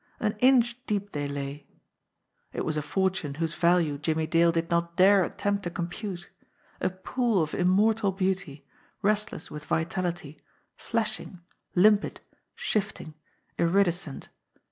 An inch deep they lay. It was a fortune whose value Jimmie Dale did not dare attempt to compute a pool of immortal beauty, restless with vitality, flashing, limpid, shifting, iridescent.